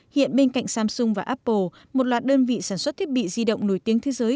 hiện bên cạnh samsung và apple một loạt đơn vị sản xuất thiết bị di động nổi tiếng thế giới